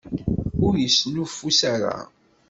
Ur yesnuffus ara!